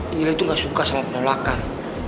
angel tuh ga suka sama penolakan